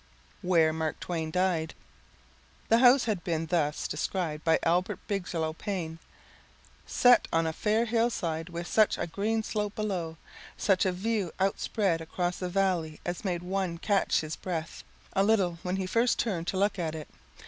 Where Mark Twain Died The house had been thus described by Albert Bigelow Paine: "Set on a fair hillside with such a green slope below, such a view outspread across the valley as made one catch his breath a little when he first turned to look at it.